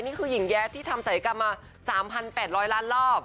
นี่คือหญิงแย้ที่ทำศัยกรรมมา๓๘๐๐ล้านรอบ